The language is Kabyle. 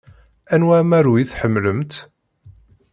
Anwa amaru i tḥemmlemt?